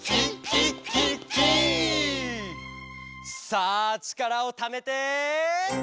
「さあちからをためて！」